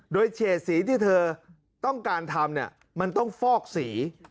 โดยเฉดสีที่เธอต้องการทำเนี่ยมันต้องฟอกสี